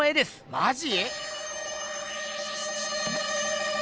マジ？